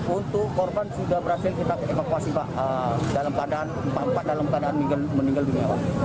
untuk korban sudah berhasil kita evakuasi pak dalam keadaan meninggal dunia